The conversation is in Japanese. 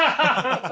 ハハハ！